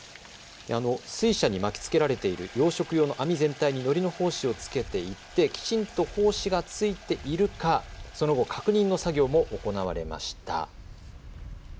水車に巻きつけられている養殖用の網全体にのりの胞子を付けていってきちんと胞子が付いているか、その後、確認の作業も行われました。